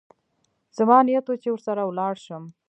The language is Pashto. زما نيت و چې ورسره ولاړ سم.